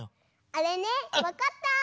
あれねわかった！